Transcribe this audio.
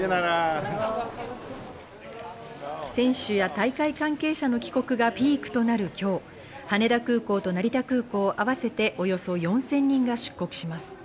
選手や大会関係者の帰国がピークとなる今日、羽田空港と成田空港あわせておよそ４０００人が出国します。